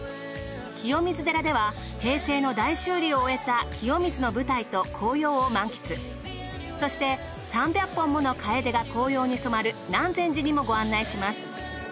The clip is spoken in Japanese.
清水寺では平成の大修理を終えた清水の舞台と紅葉を満喫そして３００本ものカエデが紅葉に染まる南禅寺にもご案内します。